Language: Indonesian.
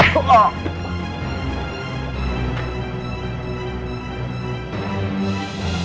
aduh tuh gadwal yang tamangin